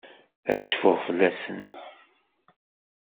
Ad cfuɣ fell-asen.